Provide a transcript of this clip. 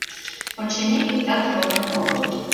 Очыни, иктат толын огыл.